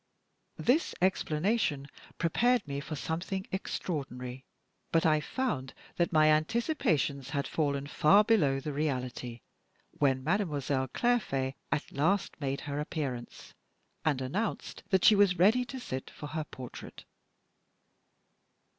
This explanation prepared me for something extraordinary; but I found that my anticipations had fallen far below the reality when Mademoiselle Clairfait at last made her appearance, and announced that she was ready to sit for her portrait.